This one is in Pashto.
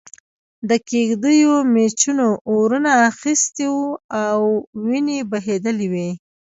د کېږدیو مېچنو اورونه اخستي او وينې بهېدلې وې.